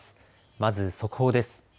まず速報です。